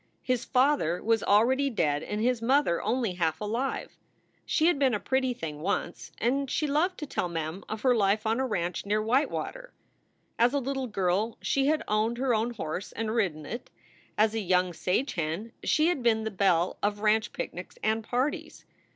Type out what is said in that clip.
His father was already dead and his mother only half alive. She had been a pretty thing once, and she loved to tell Mem of her life on a ranch near Whitewater. As a little girl she had owned her own horse and ridden it. As a young "sage hen" she had been the belle of ranch picnics and parties.